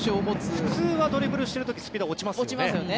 普通はドリブルしている時スピード落ちますよね。